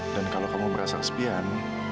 dan kalau kamu merasa kesepian